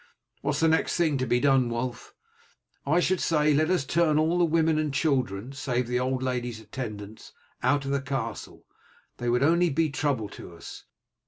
"What is the next thing to be done, Wulf?" "I should say let us turn all the women and children, save the old lady's attendants, out of the castle, they would only be a trouble to us.